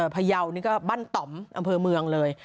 พยาวนี่ก็บ้านต่อมอำเภอเมืองเลย